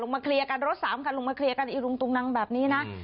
มาเคลียร์กันรถสามคันลงมาเคลียร์กันอีลุงตุงนังแบบนี้นะ